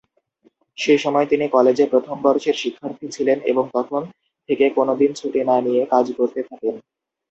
সে সময়ে তিনি কলেজে প্রথম বর্ষের শিক্ষার্থী ছিলেন এবং তখন থেকে কোন দিন ছুটি না নিয়ে কাজ করতে থাকেন।